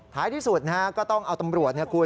ท้ายที่สุดก็ต้องเอาตำรวจ